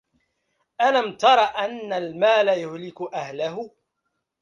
ألم تر أن المال يهلك أهله